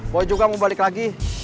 boy juga mau balik lagi